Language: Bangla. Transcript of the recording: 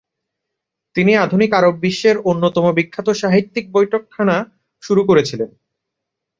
তিনি আধুনিক আরব বিশ্বের অন্যতম বিখ্যাত সাহিত্যিক বৈঠকখানা শুরু করেছিলেন।